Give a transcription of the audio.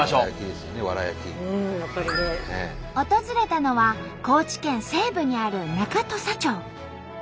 訪れたのは高知県西部にある中土佐町。